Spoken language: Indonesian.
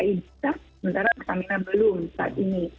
sementara pertamina belum saat ini